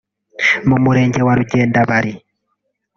mu murenge wa Rugendabari